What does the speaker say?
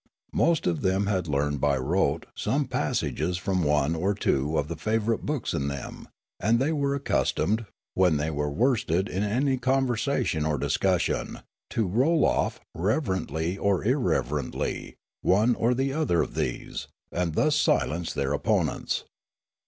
Most of them had learned by rote some passages from one or two of the favourite books in them ; and they were accus tomed, when they were worsted in any conversation or discussion, to roll off, relevantly or irrelevantly, one or the other of these, and thus silence their opponents.